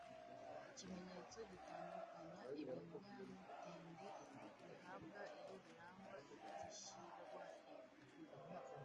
ikimenyetso gitandukanya ibinyamitende bihabwa iyo birangwa gishyirwahe